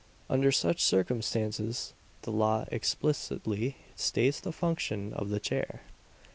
Under such circumstances, the law explicitly states the function of the chair.